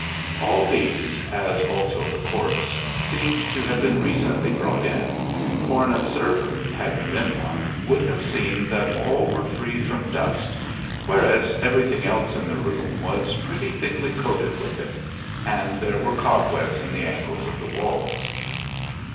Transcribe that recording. All these, as also the corpse, seemed to have been recently brought in, for an observer, had there been one, would have seen that all were free from dust, whereas everything else in the room was pretty thickly coated with it, and there were cobwebs in the angles of the walls.